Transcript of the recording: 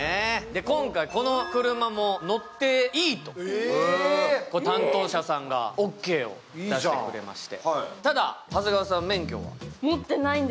今回、この車も乗っていいと、担当者さんがオーケーを出してくれまして。